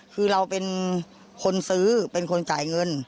คือเราเป็นคนซื้อเป็นคนจ่ายเงิน